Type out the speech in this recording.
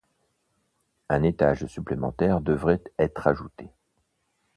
Un étage supplémentaire devrait être ajouté.